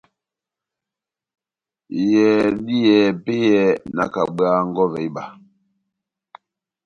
Iyɛhɛ dá iyɛhɛ epɛ́yɛ, nakabwaha nkɔvɛ iba.